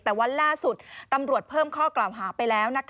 แต่วันล่าสุดตำรวจเพิ่มข้อกล่าวหาไปแล้ว